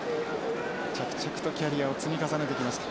着々とキャリアを積み重ねてきました。